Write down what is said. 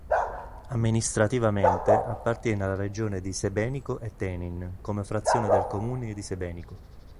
Amministrativamente appartiene alla regione di Sebenico e Tenin come frazione del comune di Sebenico.